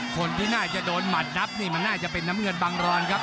คนที่น่าจะโดนหมัดนับนี่มันน่าจะเป็นน้ำเงินบังรอนครับ